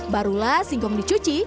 barulah singkong dicuci